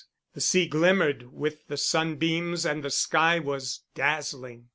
The sea glimmered with the sunbeams and the sky was dazzling.